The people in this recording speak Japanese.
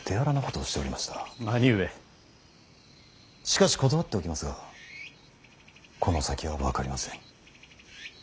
しかし断っておきますがこの先は分かりません。